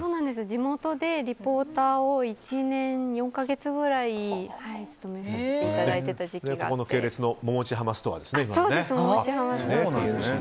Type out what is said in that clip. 地元でリポーターを１年４か月ぐらい務めさせていただいてた時期があって。